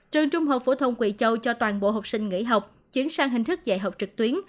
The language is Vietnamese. trường trung học phổ thông quỳ châu cho toàn bộ học sinh nghỉ học chuyển sang hình thức dạy học trực tuyến